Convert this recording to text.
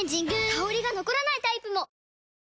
香りが残らないタイプも！